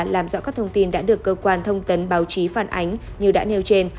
làm rõ các thông tin đã được cơ quan thông tấn báo chí phản ánh như đã nêu trên